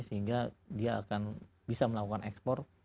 sehingga dia akan bisa melakukan ekspor